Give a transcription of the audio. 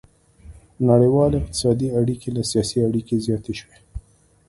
نړیوالې اقتصادي اړیکې له سیاسي اړیکو زیاتې شوې